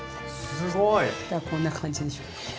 こんな感じでしょうか。